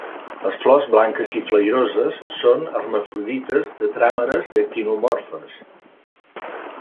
Les flors blanques i flairoses són hermafrodites, tetràmeres i actinomorfes.